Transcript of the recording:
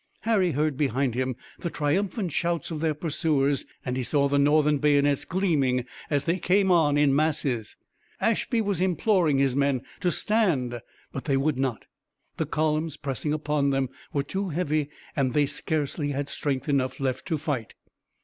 Harry heard behind him the triumphant shouts of their pursuers and he saw the Northern bayonets gleaming as they came on in masses. Ashby was imploring his men to stand but they would not. The columns pressing upon them were too heavy and they scarcely had strength enough left to fight.